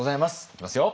いきますよ。